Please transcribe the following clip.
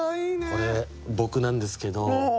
これ僕なんですけど。